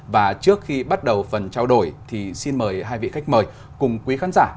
và trước khi bắt đầu phần trao đổi thì xin mời hai vị khách mời cùng quý khán giả